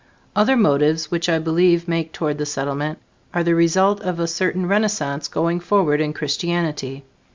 Other motives which I believe make toward the Settlement are the result of a certain renaissance going forward in Christianity.